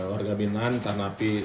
warga binan tanah api